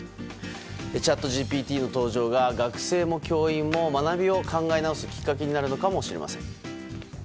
チャットＧＰＴの登場が学生も教員も学びを考え直す、きっかけになるのかもしれません。